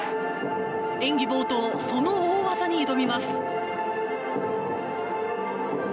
演技冒頭、その大技に挑みます。